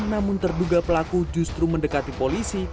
namun terduga pelaku justru mendekati polisi